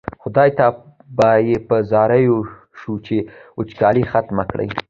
خدای ته به یې په زاریو شو چې وچکالي ختمه کړي.